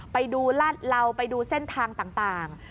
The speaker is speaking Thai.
ไปดูลาดเหลาไปดูเส้นทางต่าง